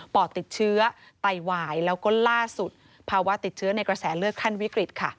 ปอดติดเชื้อไตวายแล้วก็ล่าสุดภาวะติดเชื้อในกระแสเลือดขั้นวิกฤตค่ะ